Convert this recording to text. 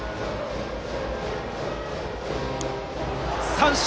三振！